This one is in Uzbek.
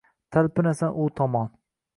Talpinasan u tomon.